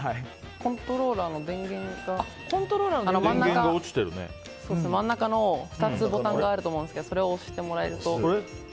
コントローラーの電源が真ん中に２つボタンがあると思うんですけどそれを押していただけると。